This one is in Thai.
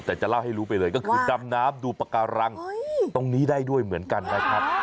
แต่จะเล่าให้รู้ไปเลยก็คือดำน้ำดูปากการังตรงนี้ได้ด้วยเหมือนกันนะครับ